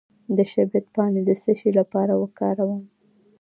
د شبت پاڼې د څه لپاره وکاروم؟